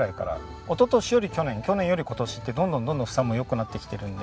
おととしより去年去年より今年ってどんどんどんどん房も良くなってきてるんで。